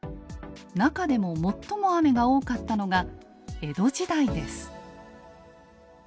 中でも最も雨が多かったのが江戸時代です。